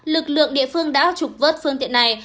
lực lượng địa phương đã trục vớt phương tiện này